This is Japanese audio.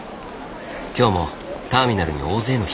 今日もターミナルに大勢の人。